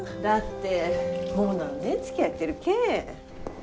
だってもう何年つきあってるけえ？